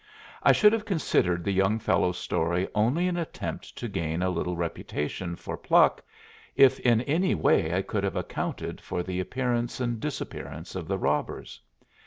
I should have considered the young fellow's story only an attempt to gain a little reputation for pluck, if in any way I could have accounted for the appearance and disappearance of the robbers.